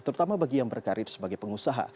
terutama bagi yang berkarir sebagai pengusaha